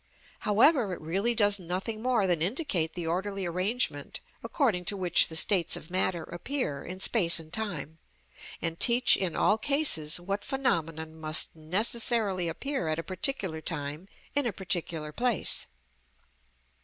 However, it really does nothing more than indicate the orderly arrangement according to which the states of matter appear in space and time, and teach in all cases what phenomenon must necessarily appear at a particular time in a particular place.